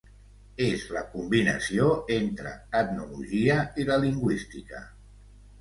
És la combinació entre etnologia i la lingüística.